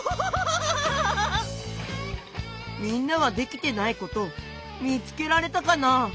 みんなはできてないことみつけられたかな？